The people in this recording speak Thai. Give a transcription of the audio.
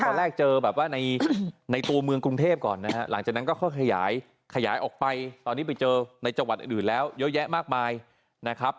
ตอนแรกเจอแบบว่าในตัวเมืองกรุงเทพก่อนนะฮะหลังจากนั้นก็ค่อยขยายขยายออกไปตอนนี้ไปเจอในจังหวัดอื่นแล้วเยอะแยะมากมายนะครับ